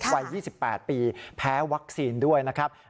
วัย๒๘ปีแพ้วัคซีนด้วยนะครับ